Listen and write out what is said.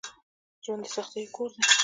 ژوند دسختیو کور دی